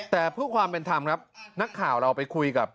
แต่เพื่อความเป็นธรรมครับนักข่าวเราไปคุยกับ